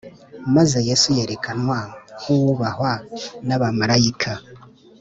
Maze yesu yerekanwa nk’Uwubahwa n’abamarayika